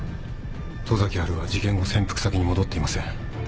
十崎波琉は事件後潜伏先に戻っていません。